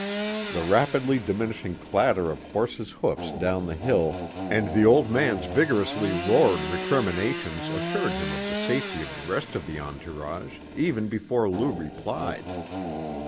The rapidly diminishing clatter of horses' hoofs down the hill, and the old man's vigorously roared recriminations assured him of the safety of the rest of the entourage even before Lou replied.